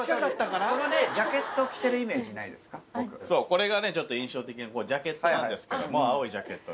これがちょっと印象的なジャケットなんですけども青いジャケットね。